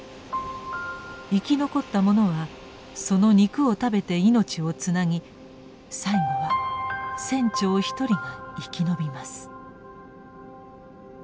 生き残った者はその肉を食べて命をつなぎ最後は船長一人が生き延びます。